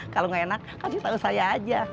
kalau enak kasih tau saya aja